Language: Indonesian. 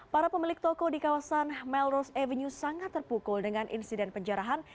para pemilik toko di kawasan melros avenue sangat terpukul dengan insiden penjarahan